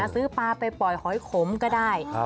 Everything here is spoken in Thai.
ซื้อปลาไปปล่อยหอยขมก็ได้